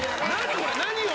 これ何を？